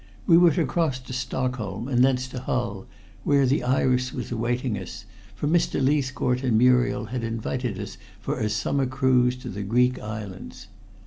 We were to cross to Stockholm and thence to Hull, where the Iris was awaiting us, for Mr. Leithcourt and Muriel had invited us for a summer cruise to the Greek Islands.